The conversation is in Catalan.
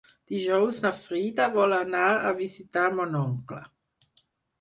Dijous na Frida vol anar a visitar mon oncle.